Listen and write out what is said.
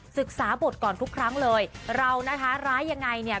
ศึกษาบทก่อนทุกครั้งเลยเรานะคะร้ายยังไงเนี่ย